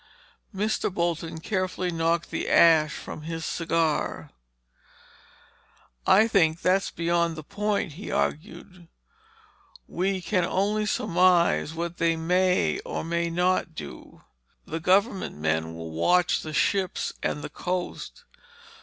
Mr. Bolton carefully knocked the ash from his cigar. "I think that's beyond the point," he argued. "We can only surmise what they may or may not do. The government men will watch the ships and the coast.